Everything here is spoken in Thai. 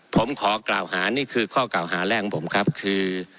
ผมขอกล่าวหานี่คือข้อกล่าวหาแรกของผมครับคือ